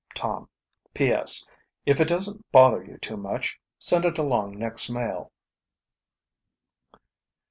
"Tom. "P.S. If it doesn't bother you too much, send it along next mail."